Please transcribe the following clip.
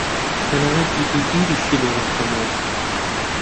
تەنانەت ئیدی بیریشی لێ ناکەمەوە.